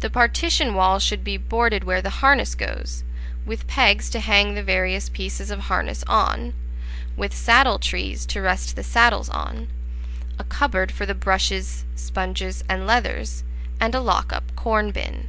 The partition wall should be boarded where the harness goes, with pegs to hang the various pieces of harness on, with saddle trees to rest the saddles on, a cupboard for the brushes, sponges, and leathers, and a lock up corn bin.